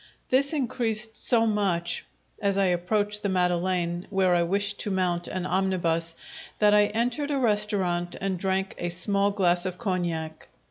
This increased so much (as I approached the Madeleine, where I wished to mount an omnibus) that I entered a restaurant and drank a small glass of cognac.